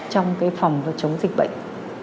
trong cái phòng và chống dịch bệnh